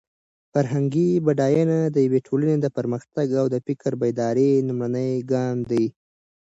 فرهنګي بډاینه د یوې ټولنې د پرمختګ او د فکري بیدارۍ لومړنی ګام دی.